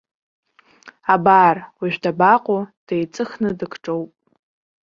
Абар, уажә дабаҟоу, деиҵыхны дыкҿоуп.